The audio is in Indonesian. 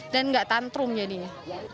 dan gak tantrum jadinya